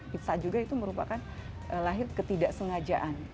pizza juga itu merupakan lahir ketidaksengajaan